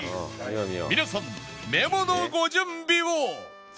皆さんメモのご準備を